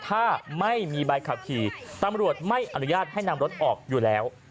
ถ้าไม่มีใบขับขี่ตำรวจไม่อนุญาตให้นำรถออกอยู่แล้ว